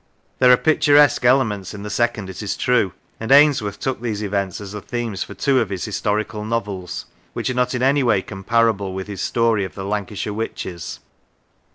There are picturesque elements in the second, it is true, and Ainsworth took these events as the themes for two of his historical novels, which are not in any way com parable with his story of the "Lancashire Witches."